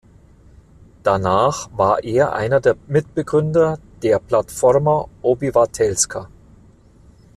Danach war er einer der Mitbegründer der Platforma Obywatelska.